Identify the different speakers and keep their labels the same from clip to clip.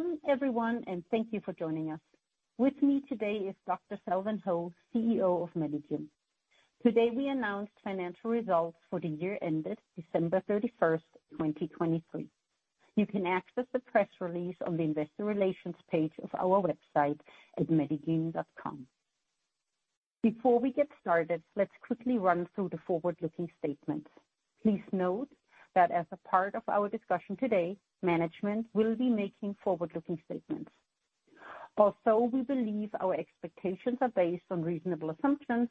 Speaker 1: Welcome, everyone, and thank you for joining us. With me today is Dr. Selwyn Ho, CEO of Medigene. Today we announced financial results for the year ended December 31, 2023. You can access the press release on the Investor Relations page of our website at medigene.com. Before we get started, let's quickly run through the forward-looking statements. Please note that as a part of our discussion today, management will be making forward-looking statements. Although we believe our expectations are based on reasonable assumptions,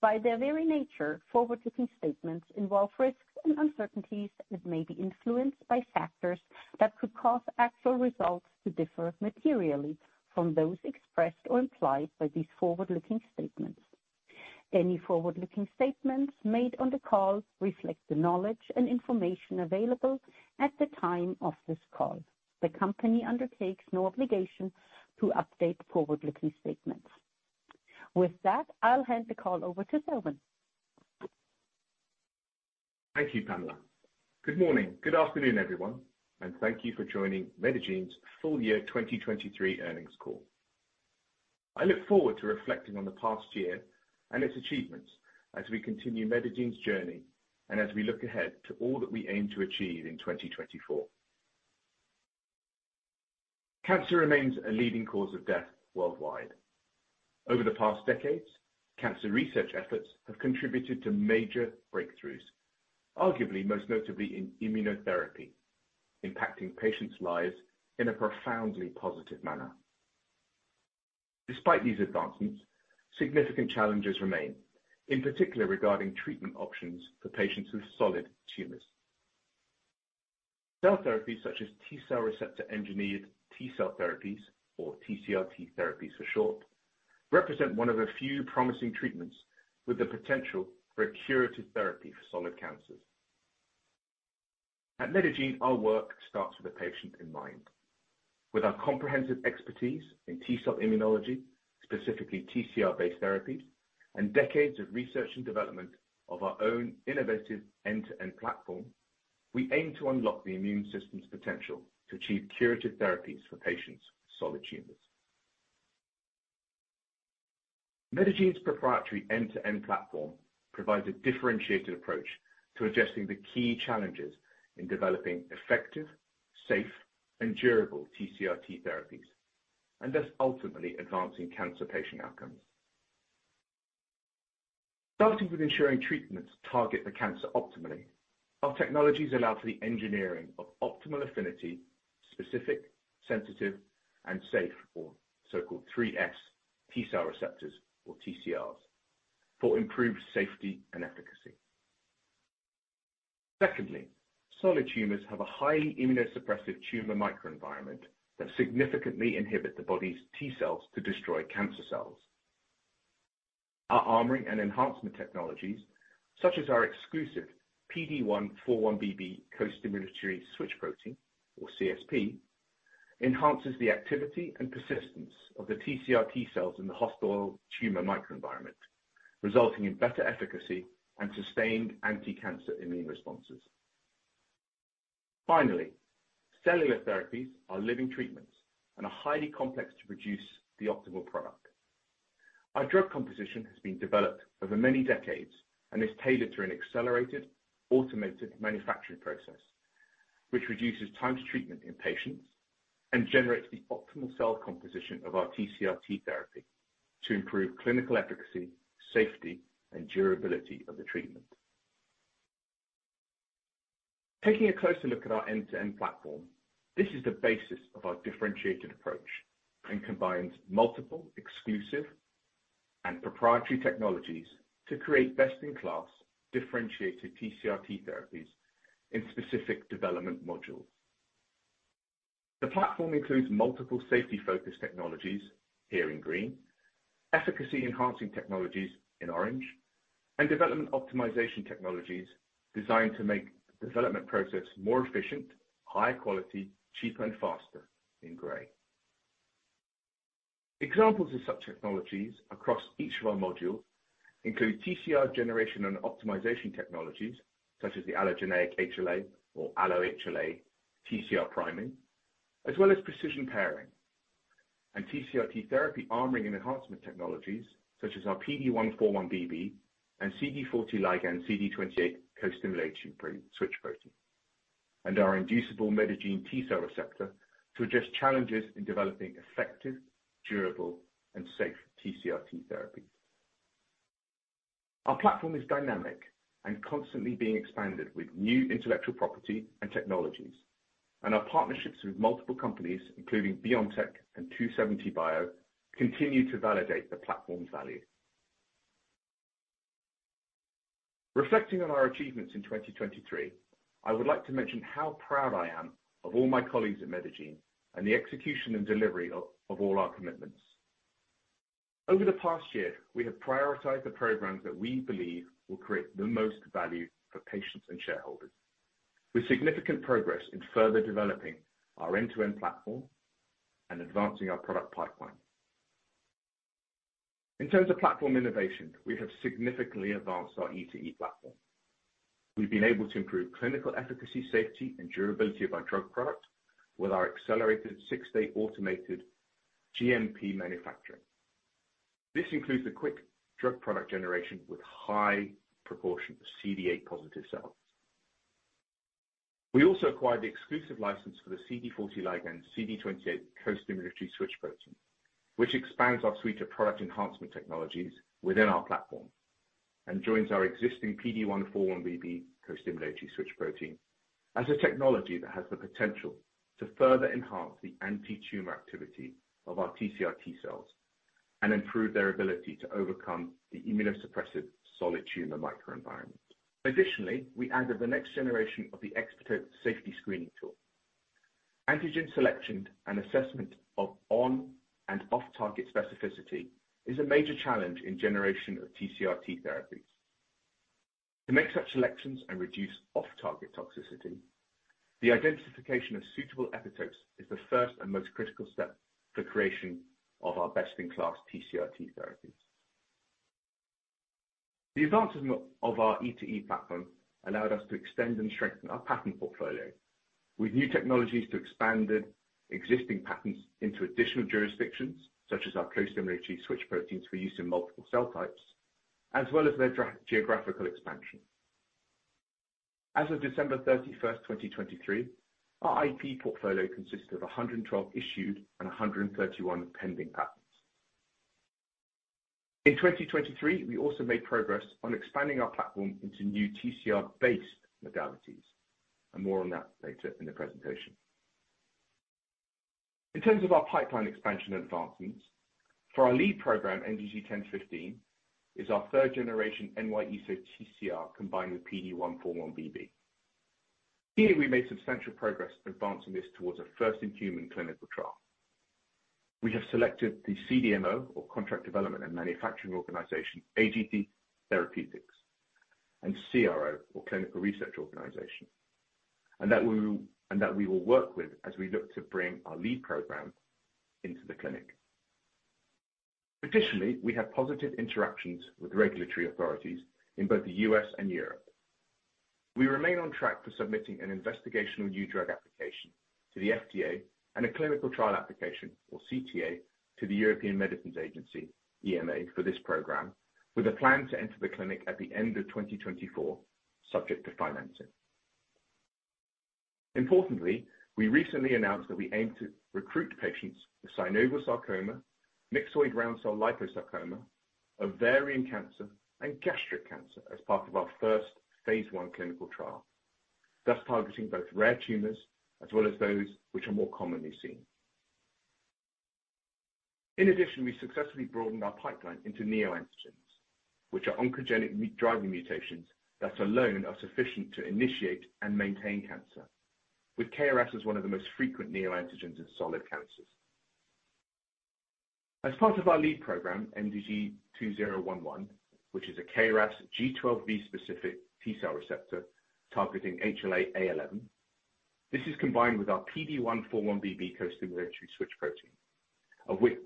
Speaker 1: by their very nature, forward-looking statements involve risks and uncertainties that may be influenced by factors that could cause actual results to differ materially from those expressed or implied by these forward-looking statements. Any forward-looking statements made on the call reflect the knowledge and information available at the time of this call. The company undertakes no obligation to update forward-looking statements. With that, I'll hand the call over to Selwyn.
Speaker 2: Thank you, Pamela. Good morning, good afternoon, everyone, and thank you for joining Medigene's full year 2023 earnings call. I look forward to reflecting on the past year and its achievements as we continue Medigene's journey and as we look ahead to all that we aim to achieve in 2024. Cancer remains a leading cause of death worldwide. Over the past decades, cancer research efforts have contributed to major breakthroughs, arguably most notably in immunotherapy, impacting patients' lives in a profoundly positive manner. Despite these advancements, significant challenges remain, in particular regarding treatment options for patients with solid tumors. Cell therapies such as T-cell receptor-engineered T-cell therapies, or TCR-T therapies for short, represent one of a few promising treatments with the potential for a curative therapy for solid cancers. At Medigene, our work starts with a patient in mind. With our comprehensive expertise in T-cell immunology, specifically TCR-based therapies, and decades of research and development of our own innovative end-to-end platform, we aim to unlock the immune system's potential to achieve curative therapies for patients with solid tumors. Medigene's proprietary end-to-end platform provides a differentiated approach to addressing the key challenges in developing effective, safe, and durable TCR-T therapies, and thus ultimately advancing cancer patient outcomes. Starting with ensuring treatments target the cancer optimally, our technologies allow for the engineering of optimal affinity, specific, sensitive, and safe, or so-called 3S T-cell receptors, or TCRs, for improved safety and efficacy. Secondly, solid tumors have a highly immunosuppressive tumor microenvironment that significantly inhibits the body's T-cells to destroy cancer cells. Our armoring and enhancement technologies, such as our exclusive PD1-41BB co-stimulatory switch protein, or CSP, enhances the activity and persistence of the TCR-T cells in the hostile tumor microenvironment, resulting in better efficacy and sustained anti-cancer immune responses. Finally, cellular therapies are living treatments and are highly complex to produce the optimal product. Our drug composition has been developed over many decades and is tailored to an accelerated, automated manufacturing process, which reduces time to treatment in patients and generates the optimal cell composition of our TCR-T therapy to improve clinical efficacy, safety, and durability of the treatment. Taking a closer look at our end-to-end platform, this is the basis of our differentiated approach and combines multiple, exclusive, and proprietary technologies to create best-in-class differentiated TCR-T therapies in specific development modules. The platform includes multiple safety-focused technologies, here in green, efficacy-enhancing technologies, in orange, and development optimization technologies designed to make the development process more efficient, higher quality, cheaper, and faster, in grey. Examples of such technologies across each of our modules include TCR generation and optimization technologies, such as the allogeneic HLA, or Allo-HLA TCR priming, as well as precision pairing, and TCR-T therapy armoring and enhancement technologies, such as our PD1-41BB and CD40 ligand-CD28 co-stimulating switch protein, and our inducible Medigene T-cell receptor to address challenges in developing effective, durable, and safe TCR-T therapies. Our platform is dynamic and constantly being expanded with new intellectual property and technologies, and our partnerships with multiple companies, including BioNTech and 2seventy bio, continue to validate the platform's value. Reflecting on our achievements in 2023, I would like to mention how proud I am of all my colleagues at Medigene and the execution and delivery of all our commitments. Over the past year, we have prioritized the programs that we believe will create the most value for patients and shareholders, with significant progress in further developing our end-to-end platform and advancing our product pipeline. In terms of platform innovation, we have significantly advanced our E2E platform. We've been able to improve clinical efficacy, safety, and durability of our drug product with our accelerated six-day automated GMP manufacturing. This includes the quick drug product generation with high proportion of CD8-positive cells. We also acquired the exclusive license for the CD40 ligand CD28 co-stimulatory switch protein, which expands our suite of product enhancement technologies within our platform and joins our existing PD-1/41BB co-stimulatory switch protein as a technology that has the potential to further enhance the anti-tumor activity of our TCR-T cells and improve their ability to overcome the immunosuppressive solid tumor microenvironment. Additionally, we added the next generation of the ExPEX safety screening tool. Antigen selection and assessment of on- and off-target specificity is a major challenge in generation of TCR-T therapies. To make such selections and reduce off-target toxicity, the identification of suitable epitopes is the first and most critical step for creation of our best-in-class TCR-T therapies. The advances of our E2E Platform allowed us to extend and strengthen our patent portfolio, with new technologies to expand existing patents into additional jurisdictions, such as our co-stimulatory switch proteins for use in multiple cell types, as well as their geographical expansion. As of December 31, 2023, our IP portfolio consists of 112 issued and 131 pending patents. In 2023, we also made progress on expanding our platform into new TCR-based modalities, and more on that later in the presentation. In terms of our pipeline expansion and advancements, for our lead program, MDG1015, is our third-generation NY-ESO-1 TCR combined with PD1-41BB. Here, we made substantial progress advancing this towards a first-in-human clinical trial. We have selected the CDMO, or Contract Development and Manufacturing Organization, AGC Biologics, and CRO, or Clinical Research Organization, and that we will work with as we look to bring our lead program into the clinic. Additionally, we have positive interactions with regulatory authorities in both the U.S. and Europe. We remain on track for submitting an investigational new drug application to the FDA and a clinical trial application, or CTA, to the European Medicines Agency, EMA, for this program, with a plan to enter the clinic at the end of 2024, subject to financing. Importantly, we recently announced that we aim to recruit patients with synovial sarcoma, myxoid round-cell liposarcoma, ovarian cancer, and gastric cancer as part of our first phase I clinical trial, thus targeting both rare tumors as well as those which are more commonly seen. In addition, we successfully broadened our pipeline into neoantigens, which are oncogenic driving mutations that alone are sufficient to initiate and maintain cancer, with KRAS as one of the most frequent neoantigens in solid cancers. As part of our lead program, MDG2011, which is a KRAS G12V-specific T-cell receptor targeting HLA-A11, this is combined with our PD1-41BB co-stimulatory switch protein,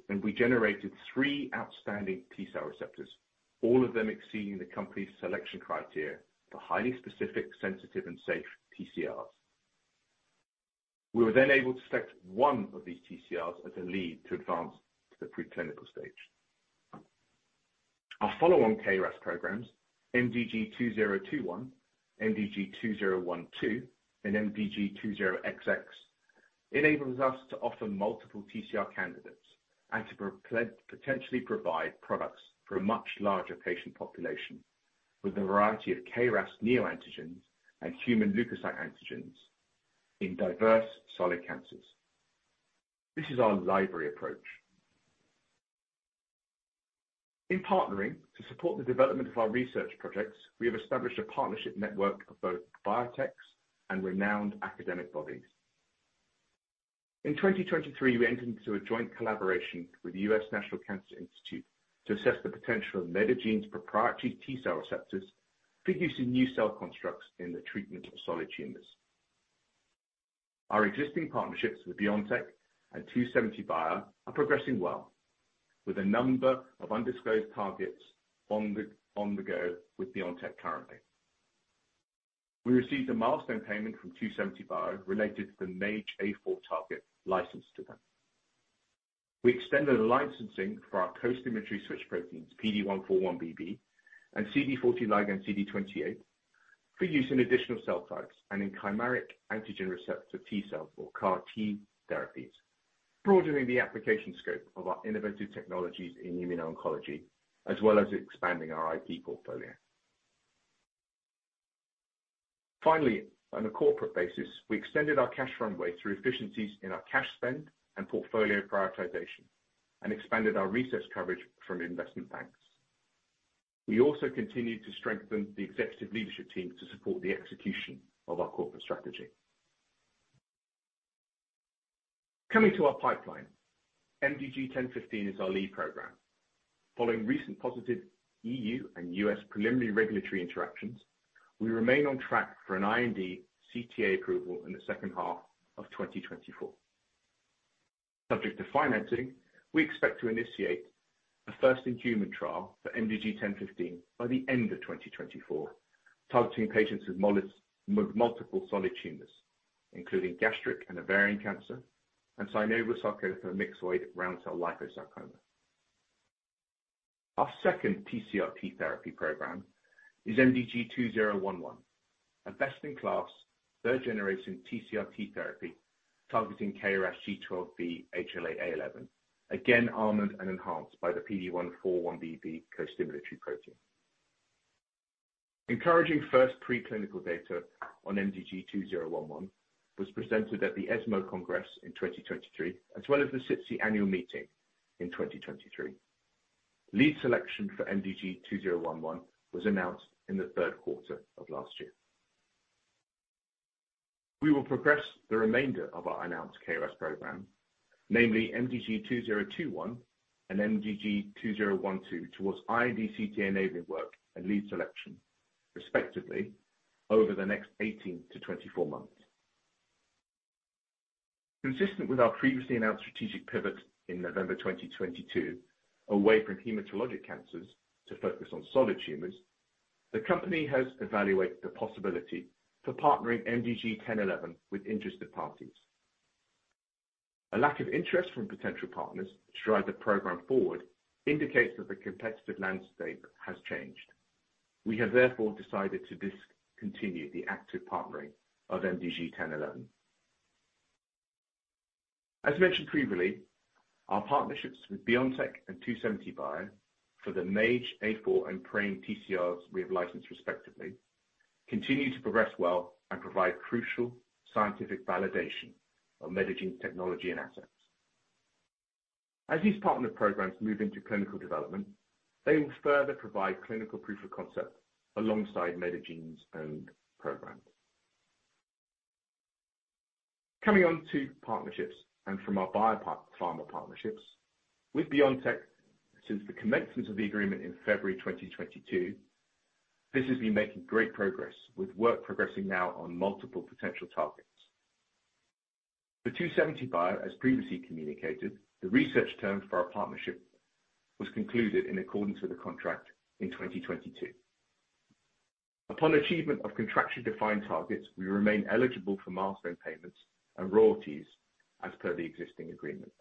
Speaker 2: and we generated three outstanding T-cell receptors, all of them exceeding the company's selection criteria for highly specific, sensitive, and safe TCRs. We were then able to select one of these TCRs as a lead to advance to the preclinical stage. Our follow-on KRAS programs, MDG2021, MDG2012, and MDG20XX, enabled us to offer multiple TCR candidates and to potentially provide products for a much larger patient population with a variety of KRAS neoantigens and human leukocyte antigens in diverse solid cancers. This is our library approach. In partnering to support the development of our research projects, we have established a partnership network of both biotechs and renowned academic bodies. In 2023, we entered into a joint collaboration with the US National Cancer Institute to assess the potential of Medigene's proprietary T-cell receptors for using new cell constructs in the treatment of solid tumors. Our existing partnerships with BioNTech and 2seventy bio are progressing well, with a number of undisclosed targets on the go with BioNTech currently. We received a milestone payment from 2seventy bio related to the MAGE-A4 target licensed to them. We extended the licensing for our co-stimulatory switch proteins, PD1-41BB and CD40L-CD28, for use in additional cell types and in chimeric antigen receptor T-cell, or CAR-T, therapies, broadening the application scope of our innovative technologies in immuno-oncology as well as expanding our IP portfolio. Finally, on a corporate basis, we extended our cash runway through efficiencies in our cash spend and portfolio prioritization and expanded our research coverage from investment banks. We also continue to strengthen the executive leadership team to support the execution of our corporate strategy. Coming to our pipeline, MDG1015 is our lead program. Following recent positive EU and US preliminary regulatory interactions, we remain on track for an IND CTA approval in the second half of 2024. Subject to financing, we expect to initiate a first-in-human trial for MDG1015 by the end of 2024, targeting patients with multiple solid tumors, including gastric and ovarian cancer and synovial sarcoma for myxoid round-cell liposarcoma. Our second TCR-T therapy program is MDG2011, a best-in-class third-generation TCR-T therapy targeting KRAS G12V HLA-A11, again armored and enhanced by the PD1-41BB co-stimulatory protein. Encouraging first preclinical data on MDG2011 was presented at the ESMO Congress in 2023 as well as the SITC annual meeting in 2023. Lead selection for MDG2011 was announced in the third quarter of last year. We will progress the remainder of our announced KRAS programs, namely MDG2021 and MDG2012, towards IND CTA enabling work and lead selection, respectively, over the next 18-24 months. Consistent with our previously announced strategic pivot in November 2022, away from hematologic cancers to focus on solid tumors, the company has evaluated the possibility for partnering MDG1011 with interested parties. A lack of interest from potential partners to drive the program forward indicates that the competitive landscape has changed. We have, therefore, decided to discontinue the active partnering of MDG1011. As mentioned previously, our partnerships with BioNTech and 2seventy bio for the MAGE-A4 and PRAME TCRs we have licensed, respectively, continue to progress well and provide crucial scientific validation of Medigene's technology and assets. As these partner programs move into clinical development, they will further provide clinical proof of concept alongside Medigene's own programs. Coming on to partnerships and from our biopharma partnerships, with BioNTech, since the commencement of the agreement in February 2022, this has been making great progress, with work progressing now on multiple potential targets. For 2seventy bio, as previously communicated, the research term for our partnership was concluded in accordance with the contract in 2022. Upon achievement of contractually defined targets, we remain eligible for milestone payments and royalties as per the existing agreement.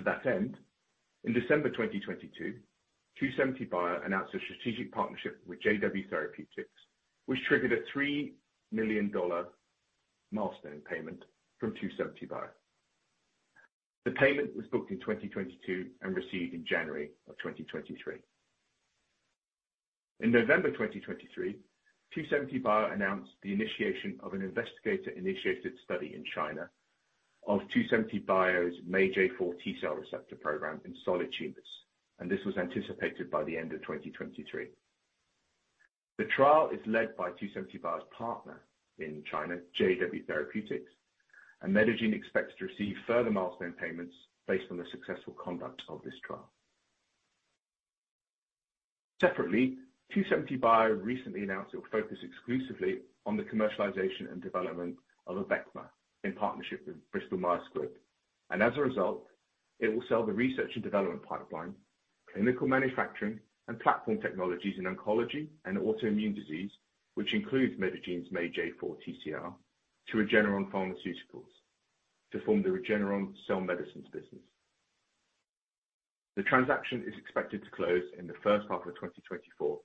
Speaker 2: To that end, in December 2022, 2seventy bio announced a strategic partnership with JW Therapeutics, which triggered a $3 million milestone payment from 2seventy bio. The payment was booked in 2022 and received in January of 2023. In November 2023, 2seventy bio announced the initiation of an investigator-initiated study in China of 2seventy bio's MAGE-A4 T-cell receptor program in solid tumors, and this was anticipated by the end of 2023. The trial is led by 2seventy bio's partner in China, JW Therapeutics, and Medigene expects to receive further milestone payments based on the successful conduct of this trial. Separately, 2seventy bio recently announced it will focus exclusively on the commercialization and development of Abecma in partnership with Bristol Myers Squibb, and as a result, it will sell the research and development pipeline, clinical manufacturing, and platform technologies in oncology and autoimmune disease, which includes Medigene's MAGE-A4 TCR, to Regeneron Pharmaceuticals to form the Regeneron Cell Medicines business. The transaction is expected to close in the first half of 2024,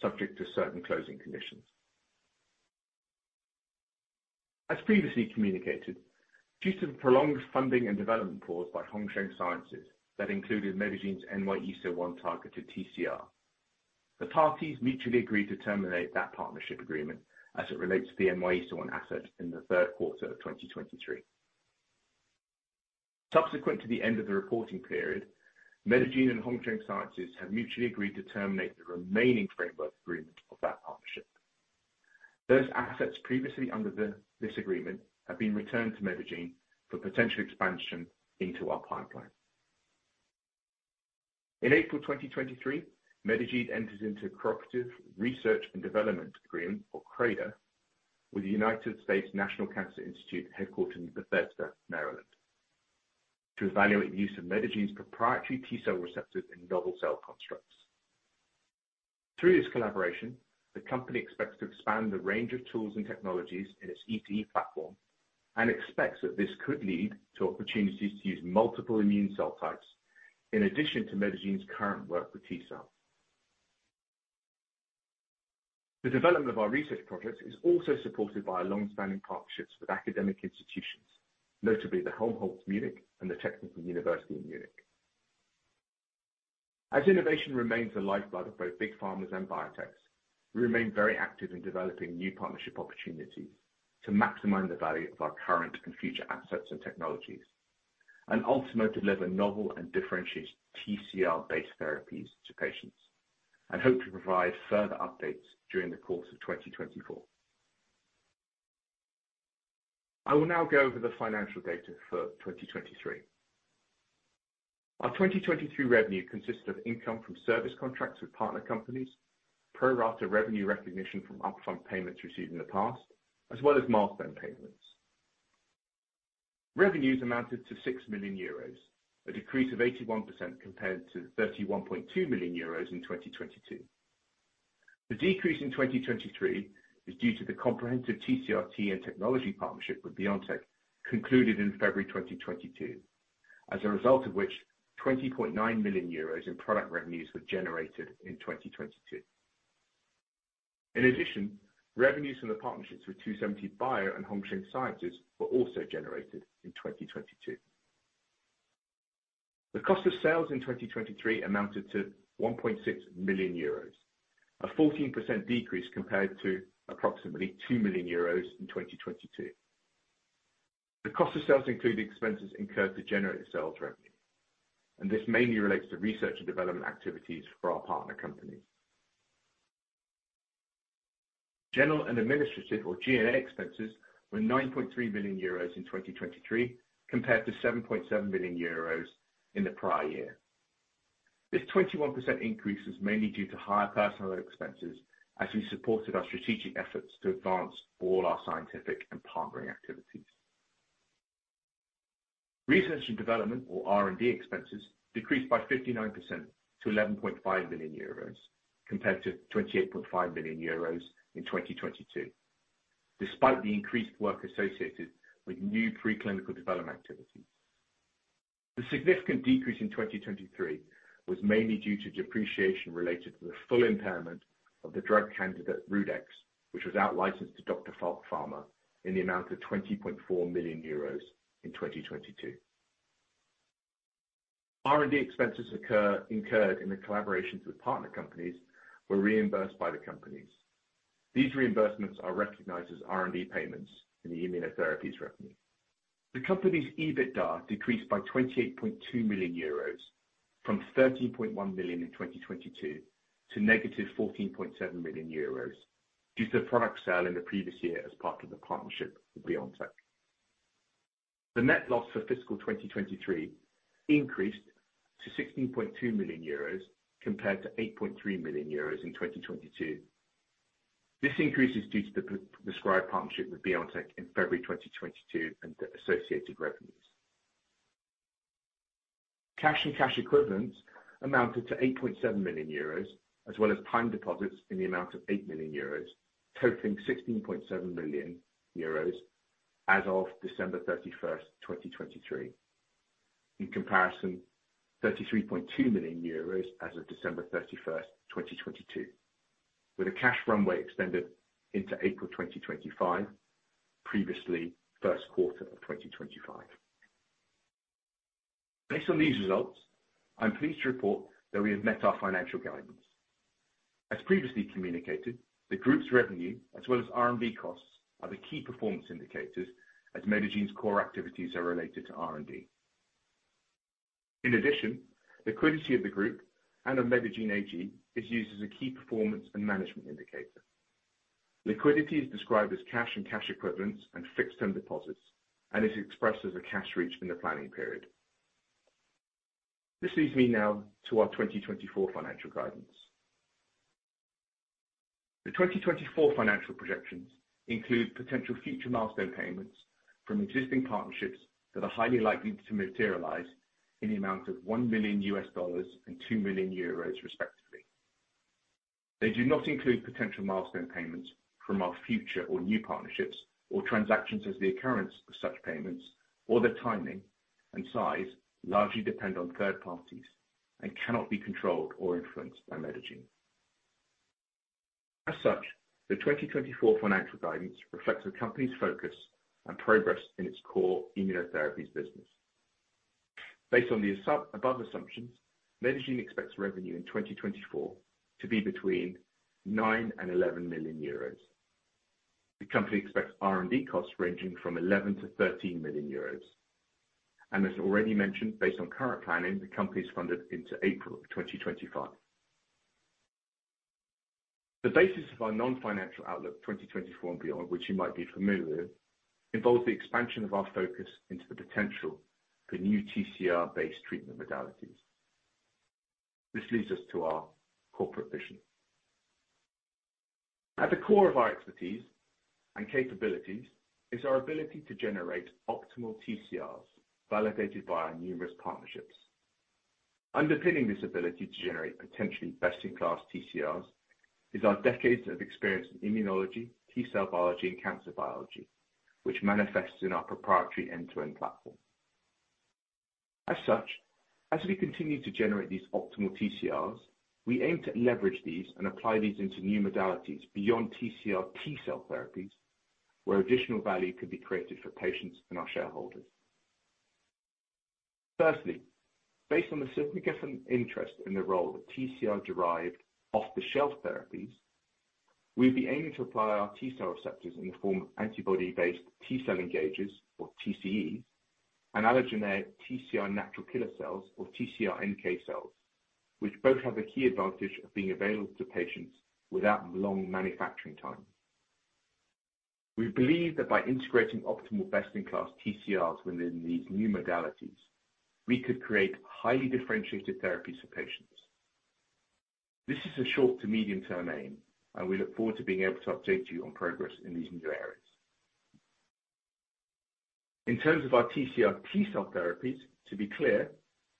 Speaker 2: subject to certain closing conditions. As previously communicated, due to the prolonged funding and development pause by Hongsheng Sciences that included Medigene's NY-ESO-1 targeted TCR, the parties mutually agreed to terminate that partnership agreement as it relates to the NY-ESO-1 asset in the third quarter of 2023. Subsequent to the end of the reporting period, Medigene and Hongsheng Sciences have mutually agreed to terminate the remaining framework agreement of that partnership. Those assets previously under this agreement have been returned to Medigene for potential expansion into our pipeline. In April 2023, Medigene enters into a cooperative research and development agreement, or CRADA, with the United States National Cancer Institute headquartered in Bethesda, Maryland, to evaluate the use of Medigene's proprietary T-cell receptors in novel cell constructs. Through this collaboration, the company expects to expand the range of tools and technologies in its E2E platform and expects that this could lead to opportunities to use multiple immune cell types in addition to Medigene's current work with T-cell. The development of our research projects is also supported by our longstanding partnerships with academic institutions, notably the Helmholtz Munich and the Technical University of Munich. As innovation remains the lifeblood of both big pharma and biotechs, we remain very active in developing new partnership opportunities to maximize the value of our current and future assets and technologies, and ultimately deliver novel and differentiated TCR-based therapies to patients, and hope to provide further updates during the course of 2024. I will now go over the financial data for 2023. Our 2023 revenue consists of income from service contracts with partner companies, pro rata revenue recognition from upfront payments received in the past, as well as milestone payments. Revenues amounted to 6 million euros, a decrease of 81% compared to 31.2 million euros in 2022. The decrease in 2023 is due to the comprehensive TCR-T and technology partnership with BioNTech concluded in February 2022, as a result of which 20.9 million euros in product revenues were generated in 2022. In addition, revenues from the partnerships with 2seventy bio and Hongsheng Sciences were also generated in 2022. The cost of sales in 2023 amounted to 1.6 million euros, a 14% decrease compared to approximately 2 million euros in 2022. The cost of sales included expenses incurred to generate the sales revenue, and this mainly relates to research and development activities for our partner companies. General and administrative, or G&A, expenses were 9.3 million euros in 2023 compared to 7.7 million euros in the prior year. This 21% increase was mainly due to higher personal expenses as we supported our strategic efforts to advance all our scientific and partnering activities. Research and development, or R&D, expenses decreased by 59% to 11.5 million euros compared to 28.5 million euros in 2022, despite the increased work associated with new preclinical development activities. The significant decrease in 2023 was mainly due to depreciation related to the full impairment of the drug candidate RhuDex, which was outlicensed to Dr. Falk Pharma in the amount of 20.4 million euros in 2022. R&D expenses incurred in the collaborations with partner companies were reimbursed by the companies. These reimbursements are recognized as R&D payments in the immunotherapies revenue. The company's EBITDA decreased by 28.2 million euros from 13.1 million in 2022 to 14.7 million euros due to the product sale in the previous year as part of the partnership with BioNTech. The net loss for fiscal 2023 increased to 16.2 million euros compared to 8.3 million euros in 2022. This increase is due to the prescribed partnership with BioNTech in February 2022 and the associated revenues. Cash and cash equivalents amounted to 8.7 million euros as well as time deposits in the amount of 8 million euros, totaling 16.7 million euros as of December 31st, 2023. In comparison, 33.2 million euros as of December 31st, 2022, with a cash runway extended into April 2025, previously first quarter of 2025. Based on these results, I'm pleased to report that we have met our financial guidance. As previously communicated, the group's revenue as well as R&D costs are the key performance indicators as Medigene's core activities are related to R&D. In addition, liquidity of the group and of Medigene AG is used as a key performance and management indicator. Liquidity is described as cash and cash equivalents and fixed-term deposits, and is expressed as a cash reach in the planning period. This leads me now to our 2024 financial guidance. The 2024 financial projections include potential future milestone payments from existing partnerships that are highly likely to materialize in the amount of EUR 1 million and 2 million euros, respectively. They do not include potential milestone payments from our future or new partnerships or transactions as the occurrence of such payments, or their timing and size largely depend on third parties and cannot be controlled or influenced by Medigene. As such, the 2024 financial guidance reflects the company's focus and progress in its core immunotherapies business. Based on the above assumptions, Medigene expects revenue in 2024 to be between 9 million and 11 million euros. The company expects R&D costs ranging from 11 million-13 million euros. as already mentioned, based on current planning, the company is funded into April of 2025. The basis of our non-financial outlook 2024 and beyond, which you might be familiar with, involves the expansion of our focus into the potential for new TCR-based treatment modalities. This leads us to our corporate vision. At the core of our expertise and capabilities is our ability to generate optimal TCRs validated by our numerous partnerships. Underpinning this ability to generate potentially best-in-class TCRs is our decades of experience in immunology, T-cell biology, and cancer biology, which manifests in our proprietary end-to-end platform. As such, as we continue to generate these optimal TCRs, we aim to leverage these and apply these into new modalities beyond TCR T-cell therapies, where additional value could be created for patients and our shareholders. Firstly, based on the significant interest in the role of TCR-derived off-the-shelf therapies, we would be aiming to apply our T-cell receptors in the form of antibody-based T-cell engagers, or TCEs, and allogeneic TCR natural killer cells, or TCR NK cells, which both have the key advantage of being available to patients without long manufacturing time. We believe that by integrating optimal best-in-class TCRs within these new modalities, we could create highly differentiated therapies for patients. This is a short-to-medium-term aim, and we look forward to being able to update you on progress in these new areas. In terms of our TCR T-cell therapies, to be clear,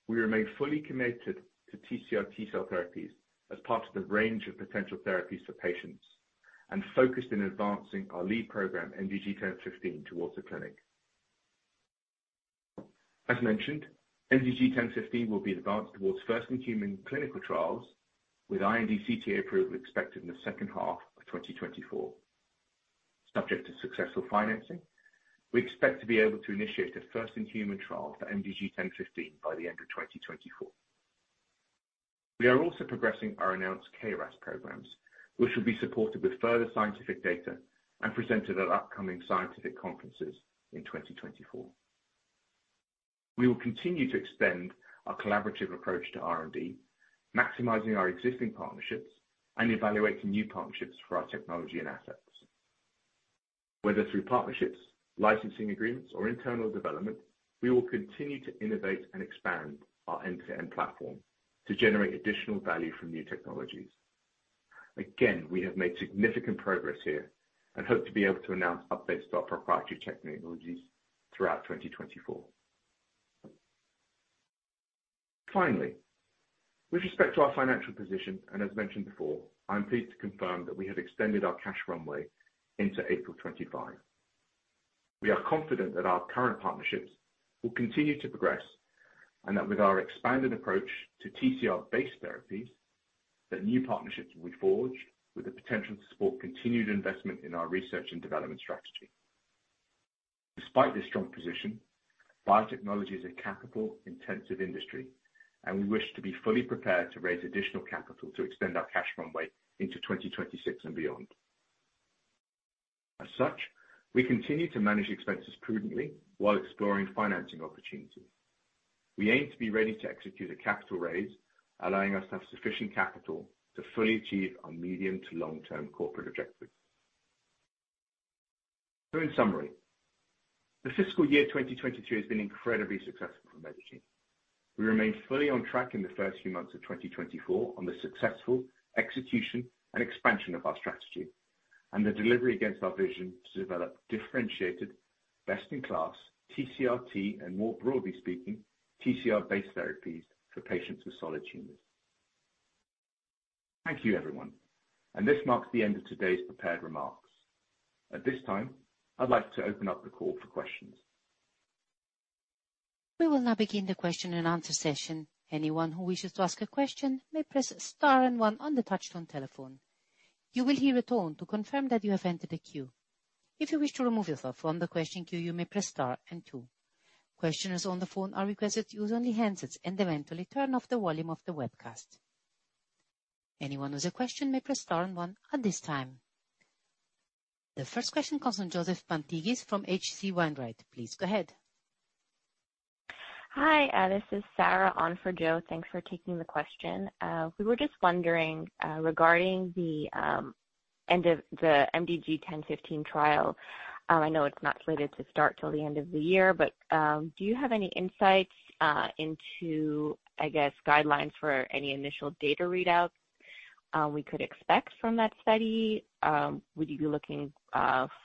Speaker 2: we remain fully committed to TCR T-cell therapies as part of the range of potential therapies for patients and focused in advancing our lead program, MDG1015, towards the clinic. As mentioned, MDG1015 will be advanced towards first-in-human clinical trials, with IND/CTA approval expected in the second half of 2024. Subject to successful financing, we expect to be able to initiate a first-in-human trial for MDG1015 by the end of 2024. We are also progressing our announced KRAS programs, which will be supported with further scientific data and presented at upcoming scientific conferences in 2024. We will continue to extend our collaborative approach to R&D, maximizing our existing partnerships and evaluating new partnerships for our technology and assets. Whether through partnerships, licensing agreements, or internal development, we will continue to innovate and expand our end-to-end platform to generate additional value from new technologies. Again, we have made significant progress here and hope to be able to announce updates to our proprietary technologies throughout 2024. Finally, with respect to our financial position and as mentioned before, I'm pleased to confirm that we have extended our cash runway into April 2025. We are confident that our current partnerships will continue to progress and that with our expanded approach to TCR-based therapies, that new partnerships will be forged with the potential to support continued investment in our research and development strategy. Despite this strong position, biotechnology is a capital-intensive industry, and we wish to be fully prepared to raise additional capital to extend our cash runway into 2026 and beyond. As such, we continue to manage expenses prudently while exploring financing opportunities. We aim to be ready to execute a capital raise, allowing us to have sufficient capital to fully achieve our medium- to long-term corporate objectives. So in summary, the fiscal year 2023 has been incredibly successful for Medigene. We remain fully on track in the first few months of 2024 on the successful execution and expansion of our strategy and the delivery against our vision to develop differentiated, best-in-class TCR-T and, more broadly speaking, TCR-based therapies for patients with solid tumors. Thank you, everyone. This marks the end of today's prepared remarks. At this time, I'd like to open up the call for questions.
Speaker 3: We will now begin the question-and-answer session. Anyone who wishes to ask a question may press star and one on the touch-tone telephone. You will hear a tone to confirm that you have entered a queue. If you wish to remove yourself from the question queue, you may press star and two. Questioners on the phone are requested to use only handsets and eventually turn off the volume of the webcast. Anyone who has a question may press star and one at this time. The first question comes from Joseph Pantginis from H.C. Wainwright. Please go ahead.
Speaker 4: Hi, this is Sarah on for Joe. Thanks for taking the question. We were just wondering regarding the end of the MDG1015 trial. I know it's not slated to start till the end of the year, but do you have any insights into, I guess, guidelines for any initial data readouts we could expect from that study? Would you be looking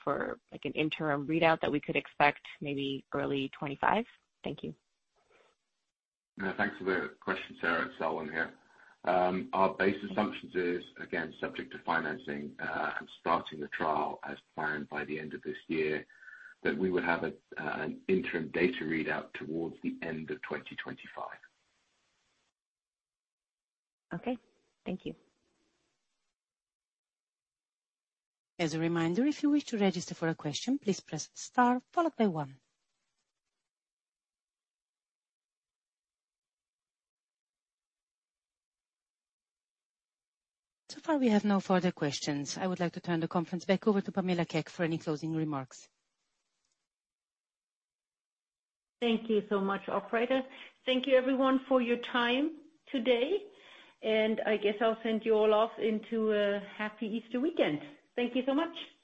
Speaker 4: for an interim readout that we could expect maybe early 2025? Thank you.
Speaker 2: Thanks for the question, Sarah. It's Selwyn here. Our base assumption is, again, subject to financing and starting the trial as planned by the end of this year, that we would have an interim data readout towards the end of 2025.
Speaker 4: Okay. Thank you.
Speaker 3: As a reminder, if you wish to register for a question, please press star, followed by one. So far we have no further questions. I would like to turn the conference back over to Pamela Keck for any closing remarks.
Speaker 1: Thank you so much, operator. Thank you, everyone, for your time today. I guess I'll send you all off into a happy Easter weekend. Thank you so much.